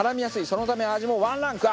そのため味もワンランクＵＰ。